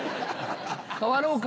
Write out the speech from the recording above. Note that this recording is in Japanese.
代わろうか？